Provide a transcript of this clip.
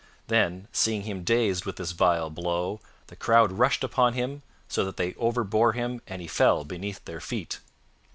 Then, seeing him dazed with this vile blow, the crowd rushed upon him, so that they overbore him and he fell beneath their feet.